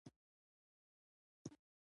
وینا څنګه زدکړو ؟